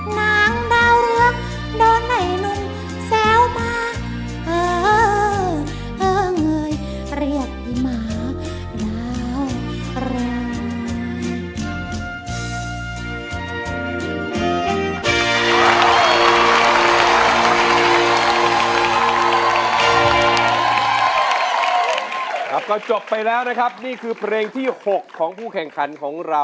นางดาวเรืองโดนไหนหนึ่งแซวมา